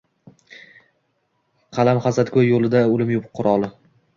Qalam-hasadg’oy qo’lida o’lim quroli.